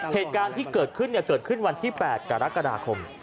เหตุการณ์ที่เกิดขึ้นเกิดขึ้นวันที่๘กรกฎาคม